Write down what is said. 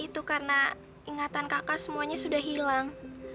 itu karena ingatan kakak semuanya sudah hilang